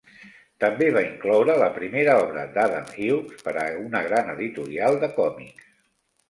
També va incloure la primera obra d'Adam Hugues per a una gran editorial de còmics.